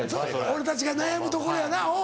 俺たちが悩むとこやなうん。